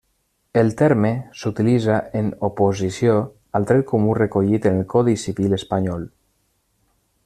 El terme s'utilitza en oposició al dret comú recollit en el codi civil espanyol.